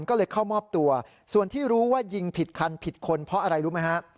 ก็เลยเข้ามอบตัวส่วนที่รู้ว่ายิงผิดคันผิดคนเพราะอะไรรู้ไหมฮะ